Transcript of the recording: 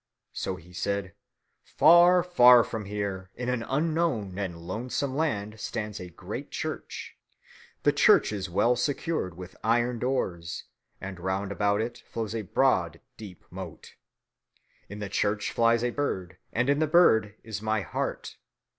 So he said, "Far, far from here in an unknown and lonesome land stands a great church. The church is well secured with iron doors, and round about it flows a broad deep moat. In the church flies a bird and in the bird is my heart.